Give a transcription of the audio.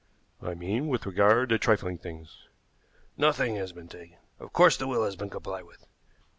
"I mean with regard to trifling things." "Nothing has been taken. Of course the will has been complied with."